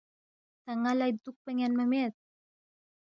تا ن٘ا لہ دُوکپا یَنما مید